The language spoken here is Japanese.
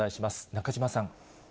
中島さん。